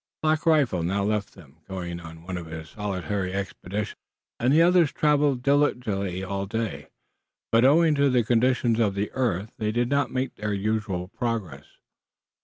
Black Rifle now left them, going on one of his solitary expeditions into the wilderness and the others traveled diligently all the day, but owing to the condition of the earth did not make their usual progress.